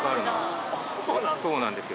そうなんですか？